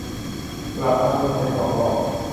กลับมาเมืองไทยสองรอบ